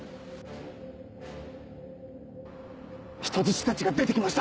人質たちが出てきました。